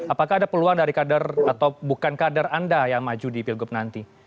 apakah ada peluang dari kader atau bukan kader anda yang maju di pilgub nanti